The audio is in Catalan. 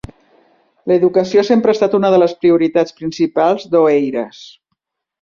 L'educació sempre ha estat una de les prioritats principals d'Oeiras.